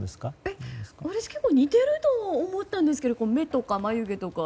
私、結構似てると思ったんですけど目とか眉毛とか。